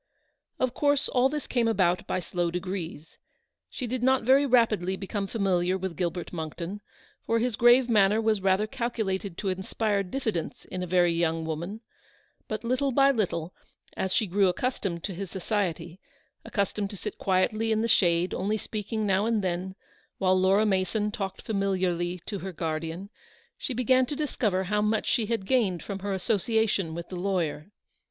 Of course all this came about by slow degrees. She did not very rapidly become familiar with Gilbert Monckton, for his grave manner was rather calculated to inspire diffidence in a very young woman; but little by little, as she grew accus tomed to his society, accustomed to sit quietly in the shade, only speaking now and then, while Laura Mason talked familiarly to her guardian, she began to discover how much she had gained from her association with the lawyer.